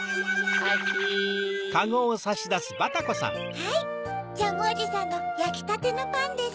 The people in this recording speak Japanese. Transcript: はいジャムおじさんのやきたてのパンです。